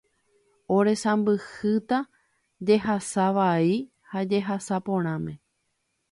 oresãmbyhýta jehasa vai ha jehasa porãme